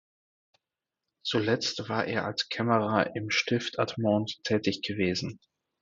Zuletzt war er als Kämmerer im Stift Admont tätig gewesen.